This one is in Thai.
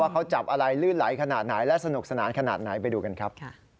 เขาจับอะไรลื่นไหลขนาดไหนและสนุกสนานขนาดไหนไปดูกันครับ